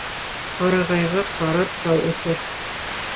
Ҡарағайға ҡарап тал үҫер